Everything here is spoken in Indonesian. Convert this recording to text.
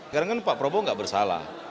karena kan pak prabowo tidak bersalah